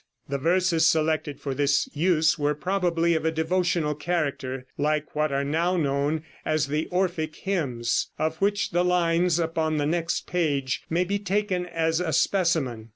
The verses selected for this use were probably of a devotional character, like what are now known as the Orphic hymns, of which the lines upon the next page may be taken as a specimen.